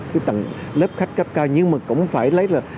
cái lớp khách cấp cao nhưng mà cũng phải lấy là